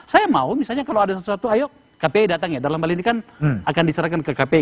saya mau misalnya kalau ada sesuatu ayo kpi datang ya dalam hal ini kan akan diserahkan ke kpu